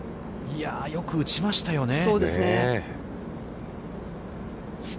いや、よく打ちましたよね。